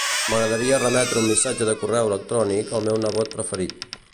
M'agradaria remetre un missatge de correu electrònic al meu nebot preferit.